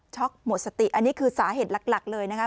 หมดสติอันนี้คือสาเหตุหลักเลยนะคะ